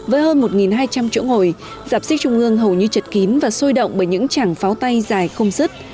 với hơn một hai trăm linh chỗ ngồi giạp siếc trung ương hầu như chật kín và sôi động bởi những chảng pháo tay dài không rứt